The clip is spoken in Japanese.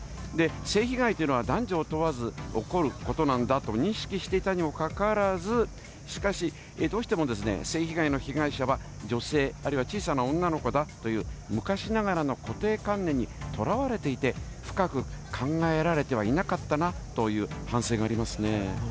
性被害というのは、男女を問わず起こることなんだと認識していたにもかかわらず、しかし、どうしても、性被害の被害者は女性、あるいは小さな女の子だという、昔ながらの固定観念にとらわれていて、深く考えられてはいなかったなという反省がありますね。